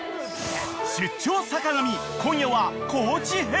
［出張坂上今夜は高知編］